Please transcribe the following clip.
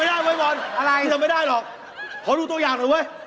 เฮ่ยทำไม่ได้เหมือนกันทำไม่ได้หรอกพอดูตัวอย่างหน่อยเว้ย